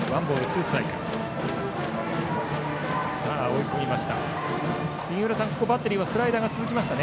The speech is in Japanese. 追い込みました。